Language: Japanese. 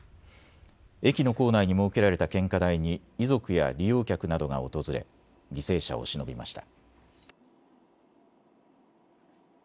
駅の構内に設けられた献花台に遺族や利用客などが訪れ犠牲者をしのびました。